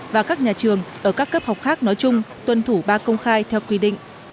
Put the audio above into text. và các nhà trường ở các cấp học khác nói chung tuân thủ ba công khai theo quy định